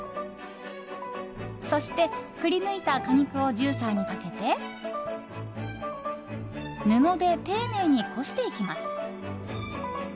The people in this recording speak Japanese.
そして、くりぬいた果肉をジューサーにかけて布で丁寧にこしていきます。